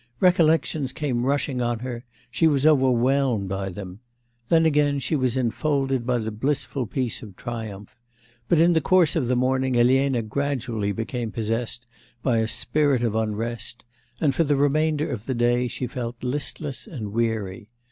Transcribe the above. Recollections came rushing on her... she was overwhelmed by them. Then again she was enfolded by the blissful peace of triumph. But in the course of the morning, Elena gradually became possessed by a spirit of unrest, and for the remainder of the day she felt listless and weary.